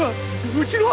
うちの。